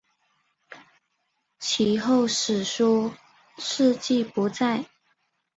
其后史书事迹不载。